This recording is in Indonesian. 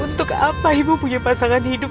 untuk apa ibu punya pasangan hidup